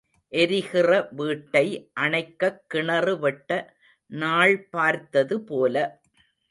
எரிகிற வீட்டை அணைக்கக் கிணறு வெட்ட நாள் பார்த்தது போல.